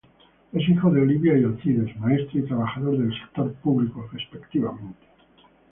Es hijo de Oliva y Alcides, maestra y trabajador del sector público respectivamente.